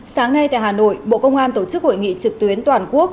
sáng nay tại hà nội bộ công an tổ chức hội nghị trực tuyến toàn quốc